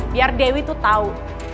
biar dewi tuh tau